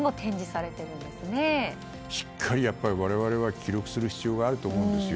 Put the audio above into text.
しっかり我々は記録する必要があると思うんですよ。